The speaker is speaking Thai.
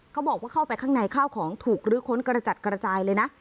เขาบอกว่าเข้าไปข้างในข้าวของถูกลื้อค้นกระจัดกระจายเลยนะ